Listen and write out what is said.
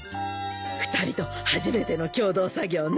２人の初めての共同作業ね。